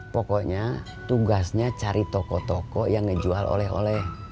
pokoknya tugasnya cari toko toko yang ngejual oleh oleh